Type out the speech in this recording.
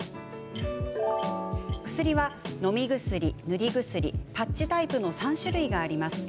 薬は、のみ薬、塗り薬パッチタイプの３種類があります。